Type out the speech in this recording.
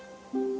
kau sudah selesai